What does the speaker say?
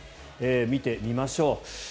見てみましょう。